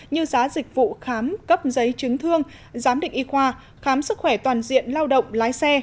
như giá dịch vụ khám cấp giấy chứng thương giám định y khoa khám sức khỏe toàn diện lao động lái xe